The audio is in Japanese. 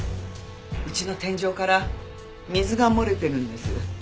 うちの天井から水が漏れてるんです。